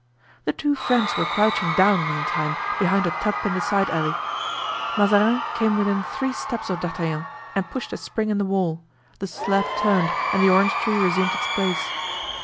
The two friends were crouching down, meantime, behind a tub in the side alley. Mazarin came within three steps of D'Artagnan and pushed a spring in the wall; the slab turned and the orange tree resumed its place.